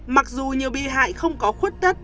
mặc dù nhiều bị hại không có khuất tất